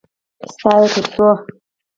_ستا يې تر څو؟